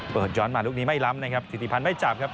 ย้อนมาลูกนี้ไม่ล้ำนะครับธิติพันธ์ไม่จับครับ